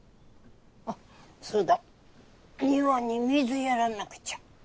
あっそうだ庭に水やらなくちゃ。